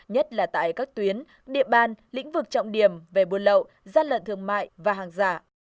nhất là tại các tuyến địa bàn lĩnh vực trọng điểm về buôn lậu gian lận thương mại và hàng giả